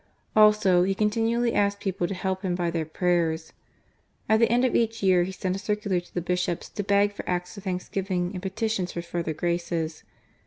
Also, he continually asked people to help him by their prayers. At the end of each year he sent a circular to the Bishops to beg for acts of thanks giving and petitions for further graces.